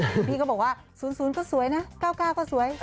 คือพี่ก็บอกว่า๐๐ก็สวยนะ๙๙ก็สวย